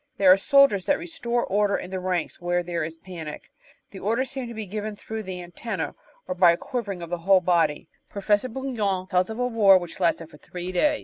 There are "soldiers" that restore order in the ranks where there is panic; the orders seem to be given through the antennas or by a quivering of the whole body. Professor Bugnion tells of a war which lasted for three days.